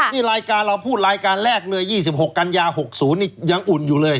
นี่รายการเราพูดรายการแรกเลย๒๖กันยา๖๐นี่ยังอุ่นอยู่เลย